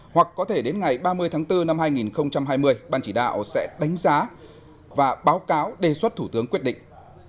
hoặc có thể đến ngày ba mươi tháng bốn năm hai nghìn hai mươi ban chỉ đạo sẽ đánh giá và báo cáo đề xuất thủ tướng quyết định